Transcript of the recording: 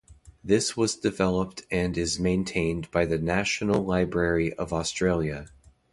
This was developed and is maintained by the National Library of Australia.